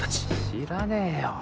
知らねぇよ。